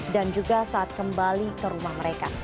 dan juga saat kembali ke rumah mereka